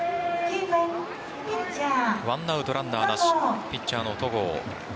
１アウトランナーなしピッチャーの戸郷